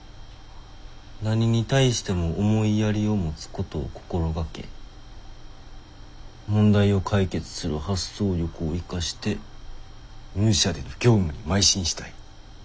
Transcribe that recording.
何に対しても思いやりを持つことを心がけ問題を解決する発想力を生かして御社での業務にまい進したい。